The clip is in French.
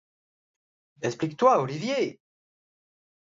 Explique-toi, Olivier!